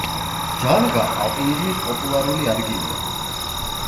ჯანღა ალპინიზმის პოპულარული ადგილია.